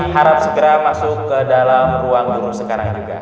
harap segera masuk ke dalam ruang bangunan sekarang kan